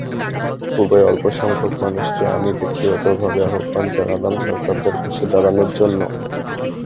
খুবই অল্পসংখ্যক মানুষকে আমি ব্যক্তিগতভাবে আহ্বান জানালাম সাঁওতালদের পাশে দাঁড়ানোর জন্য।